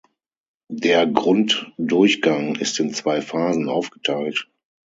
Der Grunddurchgang ist in zwei Phasen aufgeteilt.